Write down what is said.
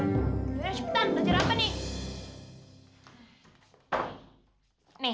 udah cepetan belajar apa nih